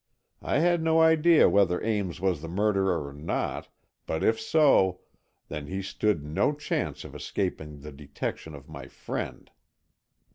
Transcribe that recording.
I had no idea whether Ames was the murderer or not, but if so, then he stood no chance of escaping the detection of my friend.